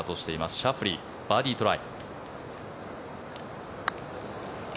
シャフリー、バーディートライ。